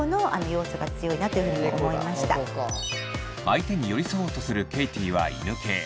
相手に寄り添おうとするケイティは犬系。